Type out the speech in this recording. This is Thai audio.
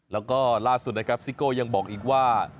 แล้วก็ล่าสุดนะครับซิโก้ยังบอกอีกว่า